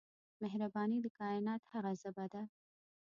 مهرباني د کائنات هغه ژبه ده.